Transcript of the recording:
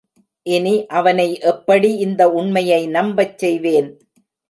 இனி அவனை எப்படி இந்த உண்மையை நம்பச் செய்வேன்?